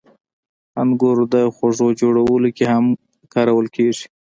• انګور د خوږو جوړولو کې هم کارول کېږي.